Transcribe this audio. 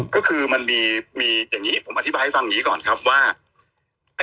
ก็คือมันมีมีอย่างงี้ผมอธิบายให้ฟังอย่างงี้ก่อนครับว่า